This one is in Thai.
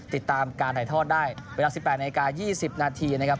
ติดตามการถ่ายทอดได้เวลา๑๘นาที๒๐นาทีนะครับ